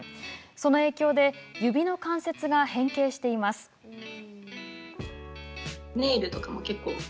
その影響で指の関節が変形しています。